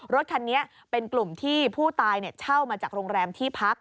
รถคันนี้เป็นกลุ่มที่ผู้ตายเช่ามาจากโรงแรมที่พัก